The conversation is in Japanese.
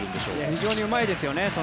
非常にうまいですよね。